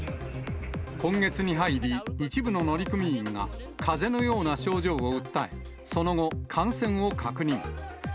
今月に入り、一部の乗組員が、かぜのような症状を訴え、その後、感染を確認。